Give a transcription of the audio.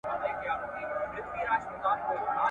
یو له تمي ویړه خوله وي درته خاندي !.